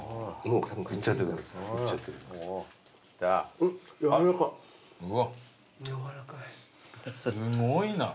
すごいな。